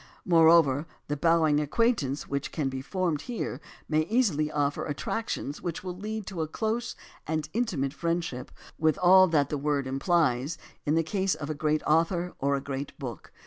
Moreover, the bowing acquaintance which can be formed here may easily offer attractions which will lead to a close and intimate friendship, with all that the word implies, in the case of a great author or a great book.